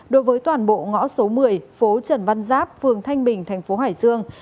đối với toàn bộ ngõ số một mươi phố trần văn giáp phường thanh bình tp hải dương